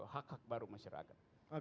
hak hak baru masyarakat